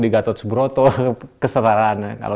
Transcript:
di gatot sebroto kesetaraannya